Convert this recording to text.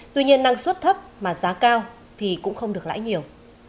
tuy nhiên năng suất thấp mà giá cao thì cũng không được lãi nhiều